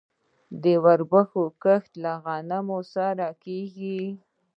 د وربشو کښت له غنمو سره کیږي.